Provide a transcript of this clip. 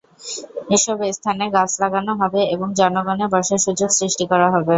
এসব স্থানে গাছ লাগানো হবে এবং জনগণের বসার সুযোগ সৃষ্টি করা হবে।